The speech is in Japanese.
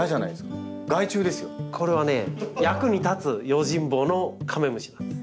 これはね役に立つ用心棒のカメムシなんです。